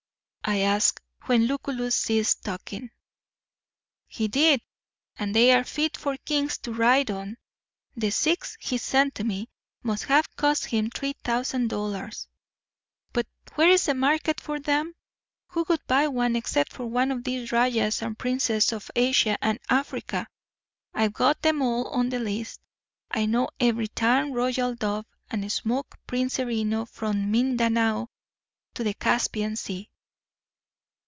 I asked, when Lucullus ceased talking. "He did. And they are fit for kings to ride on. The six he sent me must have cost him three thousand dollars. But where is the market for 'em? Who would buy one except one of these rajahs and princes of Asia and Africa? I've got 'em all on the list. I know every tan royal dub and smoked princerino from Mindanao to the Caspian Sea."